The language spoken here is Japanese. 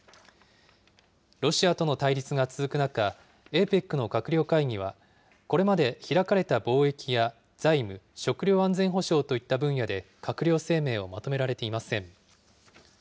ロシアとの対立が続く中、ＡＰＥＣの閣僚会議は、これまで開かれた貿易や財務、食料安全保障といった分野で、閣僚声明をまとめられていません。